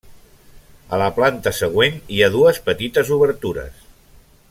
A la planta següent hi ha dues petites obertures.